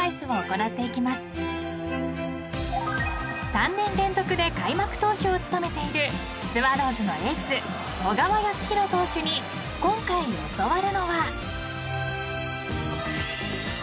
［３年連続で開幕投手を務めているスワローズのエース小川泰弘投手に今回教わるのは］